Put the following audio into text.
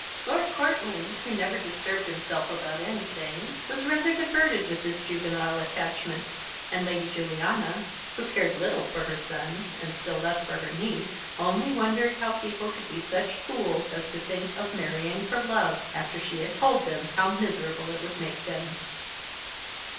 Lord Courtland, who never disturbed himself about anything, was rather diverted with this juvenile attachment; and Lady Juliana, who cared little for her son, and still less for her niece, only wondered how people could be such fools as to think of marrying for love, after she had told them how miserable it would make them.